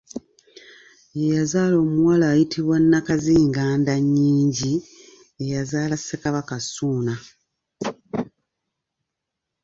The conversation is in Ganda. Ye yazaala omuwala ayitibwa Nakkazingandannyingi eyazaala Ssekabaka Ssuuna.